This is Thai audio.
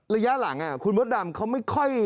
ระยะหลังคุณมดดำเขาไม่ค่อย